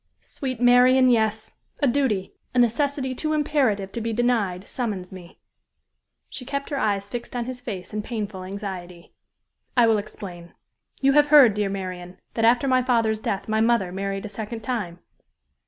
"Sweet Marian, yes! A duty a necessity too imperative to be denied, summons me." She kept her eyes fixed on his face in painful anxiety. "I will explain. You have heard, dear Marian, that after my father's death my mother married a second time?"